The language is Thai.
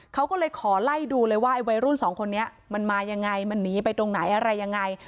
เขาก็เลยขอไล่ดูเลยว่าไอ้วัยรุ่นสองคนนี้มันมายังไงมันหนีไปตรงไหนอะไรยังไง